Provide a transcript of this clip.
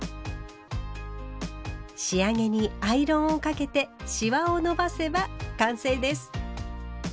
仕上げにアイロンをかけてシワを伸ばせば完成です。